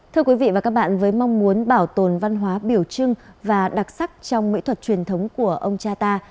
thưa quý vị và các bạn với mong muốn bảo tồn văn hóa biểu trưng và đặc sắc trong mỹ thuật truyền thống của ông cha ta